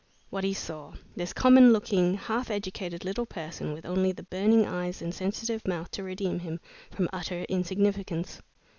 What he saw this common looking, half educated little person, with only the burning eyes and sensitive mouth to redeem him from utter insignificance!